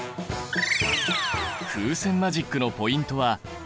風船マジックのポイントは形！